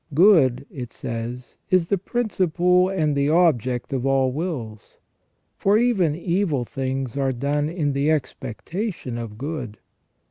"Good," it says, " is the principle and the object of all wills ; for even evil things are done in the expectation of good.